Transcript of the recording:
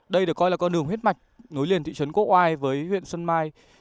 đây được coi là con đường huyết mạch nối liền thị trấn quốc oai với huyện xuân mai